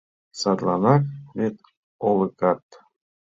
Садланак вет Олыкат